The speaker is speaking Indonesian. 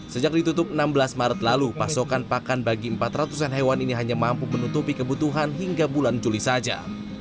sejak ditutup enam belas maret lalu pasokan pakan bagi empat ratus an hewan ini hanya mampu menutupi kebutuhan hingga bulan juli saja